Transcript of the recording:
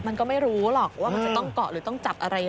มันก็ไม่รู้หรอกว่ามันจะต้องเกาะหรือต้องจับอะไรยังไง